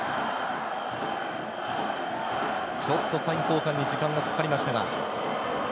ちょっとサイン交換に時間がかかりました。